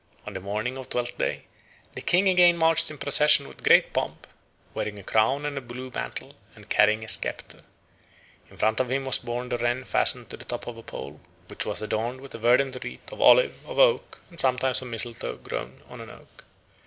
On the morning of Twelfth Day the King again marched in procession with great pomp, wearing a crown and a blue mantle and carrying a sceptre. In front of him was borne the wren fastened to the top of a pole, which was adorned with a verdant wreath of olive, of oak, and sometimes of mistletoe grown on an oak.